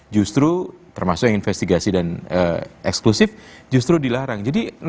justru termasuk yang investigasi dan eksklusif justru dilarang